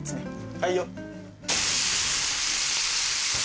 はいよ。